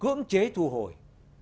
không chế thu hồi